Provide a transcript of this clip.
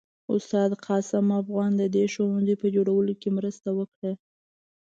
استاد قاسم افغان د دې ښوونځي په جوړولو کې مرسته وکړه.